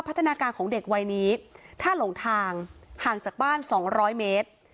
พัฒนาการของเด็กวัยนี้ถ้าหลงทางห่างจากบ้าน๒๐๐เมตร